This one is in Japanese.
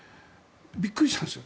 びっくりしたんです。